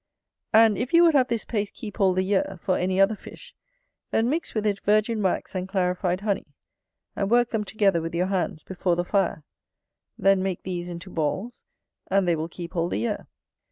And if you would have this paste keep all the year, for any other fish, then mix with it virgin wax and clarified honey, and work them together with your hands, before the fire; then make these into balls, and they will keep all the year.